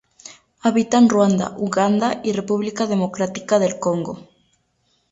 Habita en Ruanda, Uganda y República Democrática del Congo.